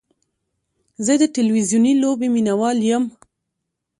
زه د تلویزیوني لوبې مینهوال یم.